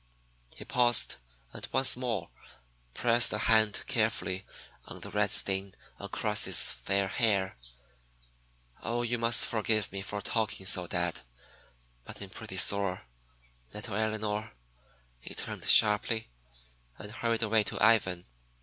He paused and once more pressed a hand carefully on the red stain across his fair hair. "Oh, you must forgive me for talking so, dad, but I'm pretty sore. Little Elinor " He turned sharply, and hurried away to Ivan.